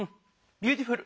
ビューティフル！